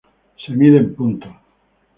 Se mide en puntos.